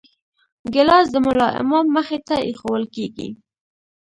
ګیلاس د ملا امام مخې ته ایښوول کېږي.